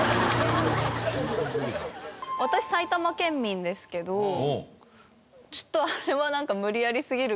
私埼玉県民ですけどちょっとあれはなんか無理やりすぎるかなって思って。